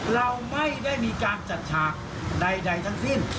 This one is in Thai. เราไม่ได้มีการจัดฉากใดทั้งสิ้น